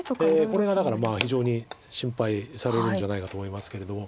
これがだから非常に心配されるんじゃないかと思いますけれども。